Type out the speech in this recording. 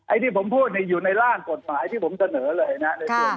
ไอ้ที่ผมพูดอยู่ในร่างกฎฝ่าไอ้ที่ผมเจนอเลยนะ